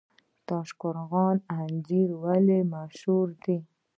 تاشقرغان انځر ولې مشهور دي؟